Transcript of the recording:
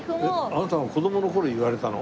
あなたが子供の頃言われたの？